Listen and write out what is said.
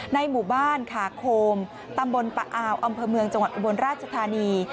ในหมู่บ้านขาโคมตำบลปะอาวอำเภอเมืองจังหวัดอุบลราชธานี